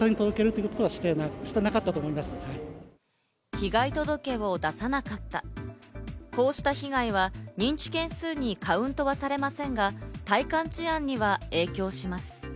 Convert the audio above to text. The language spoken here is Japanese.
被害届を出さなかった、こうした被害は認知件数にカウントはされませんが、体感治安には影響します。